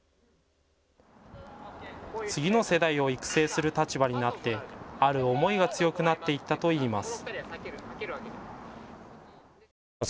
次の世代を育成する立場になってある思いが強くなっていったといいます。